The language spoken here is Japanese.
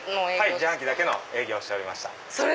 自販機だけの営業をしてました。